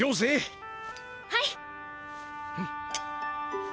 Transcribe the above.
はい！